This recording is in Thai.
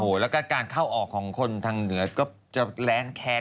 แล้วก็การเข้าออกของคนทางเหนือก็จะแรงแค้น